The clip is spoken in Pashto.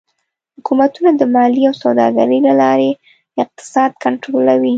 حکومتونه د مالیې او سوداګرۍ له لارې اقتصاد کنټرولوي.